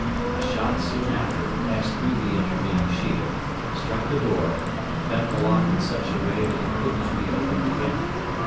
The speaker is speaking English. A shot soon after passed through the intervening shield, struck the door, and bent the lock in such a way that it could not be opened again.